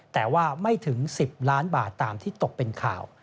แต่ว่าไม่ถึง๑๐ล้านบาทตามที่ตกเป็นข่าว